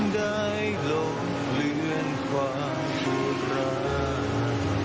ได้ลงเลื่อนความความรัก